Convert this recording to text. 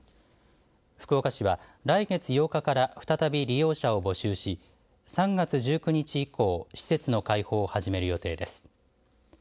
福岡市は来月８日から再び利用者を募集し３月１９日以降施設の開放を始める予定です。